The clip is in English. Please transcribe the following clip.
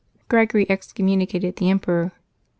Gregory excommunicated the emperor.